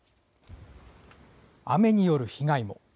雨による被害も。